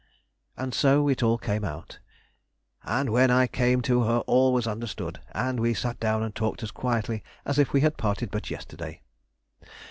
_' And so it all came out, and when I came to her all was understood, and we sat down and talked as quietly as if we had parted but yesterday....